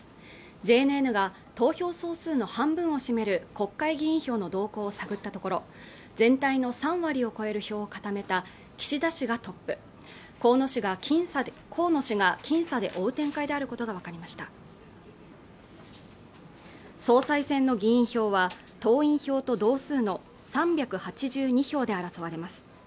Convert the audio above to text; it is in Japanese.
ＪＮＮが投票総数の半分を占める国会議員票の動向を探ったところ全体の３割を超える票を固めた岸田氏がトップ河野氏が僅差で追う展開であることが分かりました総裁選の議員票は党員票と同数の３８２票で争われます